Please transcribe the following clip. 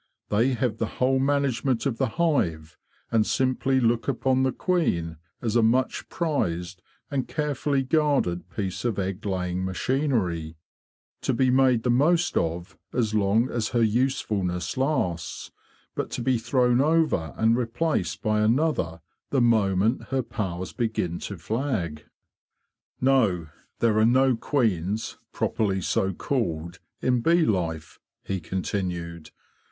They have the whole manage ment of the hive, and simply look upon the queen as a much prized and carefully guarded piece of egg laying machinery, to be made the most of as long as her usefulness lasts, but to be thrown over and replaced by another the moment her powers begin to flag." '* No; there are no queens, properly so called, in bee life,"' he continued.